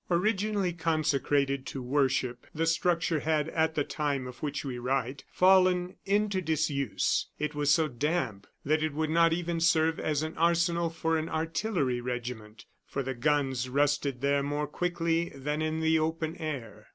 Originally consecrated to worship, the structure had, at the time of which we write, fallen into disuse. It was so damp that it would not even serve as an arsenal for an artillery regiment, for the guns rusted there more quickly than in the open air.